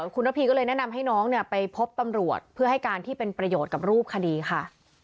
คุณระพีก็เลยแนะนำให้น้องไปพบตำรวจเพื่อให้การที่เป็นประโยชน์กับรูปคดีค่ะ